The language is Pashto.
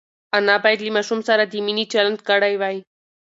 انا باید له ماشوم سره د مینې چلند کړی وای.